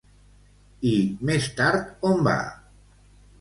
I més tard on va?